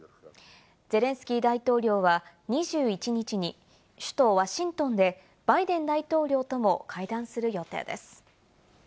ゼレンスキー大統領は２１日、首都・ワシントンでバイデン大統領とも会談する予定です。